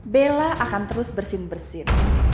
bella akan terus bersin bersin